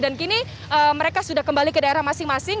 dan kini mereka sudah kembali ke daerah masing masing